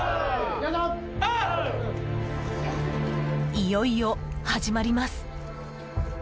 いよいよ始まります。